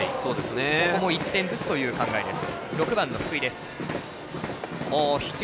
ここも１点ずつという考えです。